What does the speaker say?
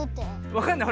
わかんない？